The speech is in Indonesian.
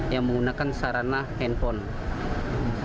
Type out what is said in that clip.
yang menggunakan sarana handphone